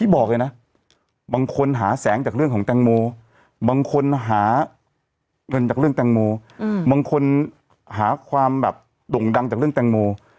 บางคนหาเรื่องจากเรื่องแตงโมอืมบางคนหาความแบบด่งดังจากเรื่องแตงโม